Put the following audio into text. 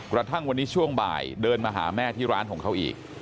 กระทั่งวันนี้ช่วงบ่ายเดินมาหาแม่ที่ร้านของเขาอีก